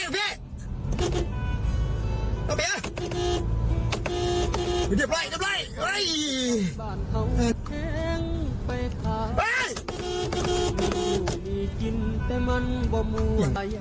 แม่มันบ่มือตายอย่างโอเคดูหน่อยหน่อยโอ้ยดูหน่อย